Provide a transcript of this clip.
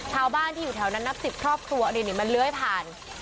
ชาวบ้านที่อยู่แถวนั้นนับ๑๐ครอบครัวอันนี้มันเลื้อยผ่าน